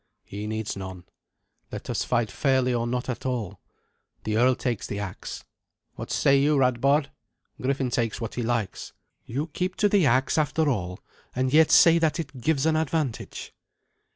"He needs none. Let us fight fairly or not at all. The earl takes the axe. What say you, Radbard? Griffin takes what he likes." "You keep to the axe after all, and yet say that it gives an advantage."